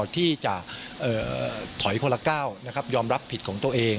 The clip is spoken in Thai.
ที่จะถอยคนละก้าวยอมรับผิดของตัวเอง